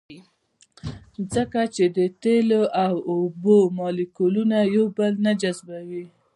ځکه چې د تیلو او اوبو مالیکولونه یو بل نه جذبوي